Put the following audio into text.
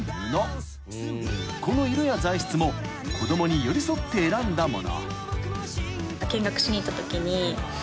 ［この色や材質も子供に寄り添って選んだもの］